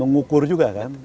mengukur juga kan